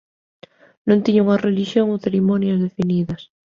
Non tiñan unha relixión ou cerimonias definidas.